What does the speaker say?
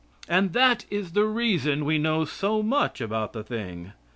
And that is the reason we know so much about the thing.